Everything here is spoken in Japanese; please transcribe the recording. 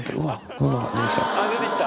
あっ出てきた。